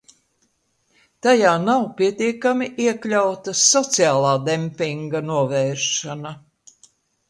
Tajā nav pietiekami iekļauta sociālā dempinga novēršana.